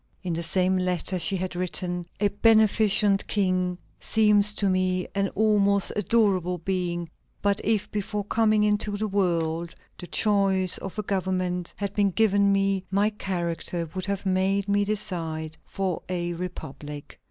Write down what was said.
In the same letter she had written: "A beneficent king seems to me an almost adorable being; but if, before coming into the world, the choice of a government had been given me, my character would have made me decide for a republic."